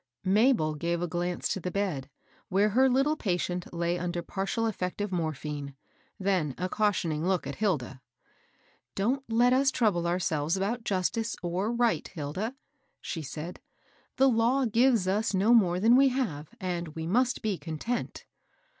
Mabel gave a glance to the bed, where her little patient lay under partial effect of morphine, then a cautioning look at Hilda. " Don't let us trouble ourselves about justice or right, Hilda," she said. " The law gives us no more than we have, and we must be content."